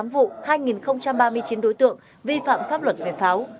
một ba trăm chín mươi tám vụ hai ba mươi chín đối tượng vi phạm pháp luật về pháo